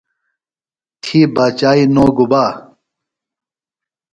تھی باچائی گُبا نو؟